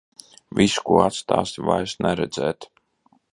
Visu, ko atstāsi, vairs neredzēt.